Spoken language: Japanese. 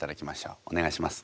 お願いします。